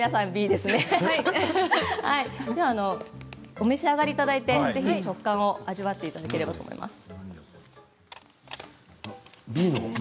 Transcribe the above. では、お召し上がりいただいて食感を味わっていただければと思います。